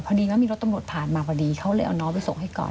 พอดีว่ามีรถตรงรถผ่านมากว่าดีเขาเลยเอาน้องไปส่งให้ก่อน